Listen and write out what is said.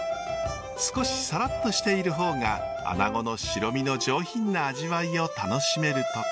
少しさらっとしている方がアナゴの白身の上品な味わいを楽しめるとか。